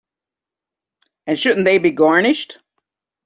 And shouldn't they be garnished?